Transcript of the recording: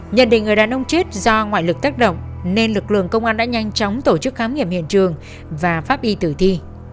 nhận định người đàn ông chết do ngoại lực tác động nên lực lượng công an đã nhanh chóng tổ chức khám nghiệm hiện trường và pháp y tử thi